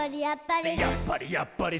「やっぱり！